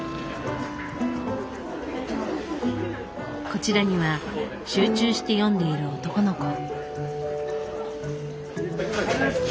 こちらには集中して読んでいる男の子。